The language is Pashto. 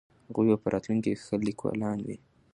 هغوی به په راتلونکي کې ښه لیکوالان وي.